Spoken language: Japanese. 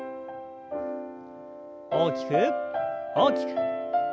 大きく大きく。